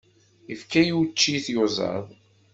Yefka učči i tyuẓaḍ.